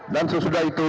dan sesudah itu